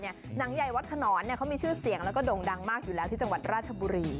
หนังใหญ่วัดขนอนเขามีชื่อเสียงแล้วก็โด่งดังมากอยู่แล้วที่จังหวัดราชบุรี